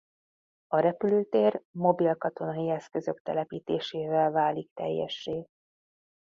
A repülőtér mobil katonai eszközök telepítésével válik teljessé.